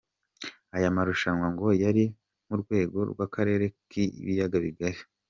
Aya marushanwa ngo yari mu rwego rw’akarere k’Ibiyaga Bigari.